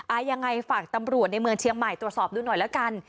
ยังไงฝากตำรวจในเมืองเชียงใหม่ตรวจสอบดูหน่อยแล้วกัน